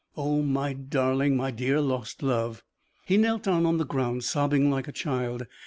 Oh, my darling! my dear lost love!" He knelt down on the ground, sobbing like a child.